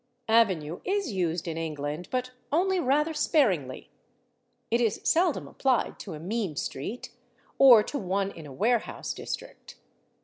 /Avenue/ is used in England, but only rather sparingly; it is seldom applied to a mean street, or to one in a warehouse district.